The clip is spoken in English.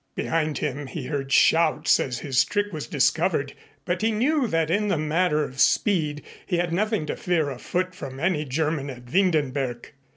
Behind him he heard shouts as his trick was discovered, but he knew that in the matter of speed he had nothing to fear afoot from any German at Windenberg.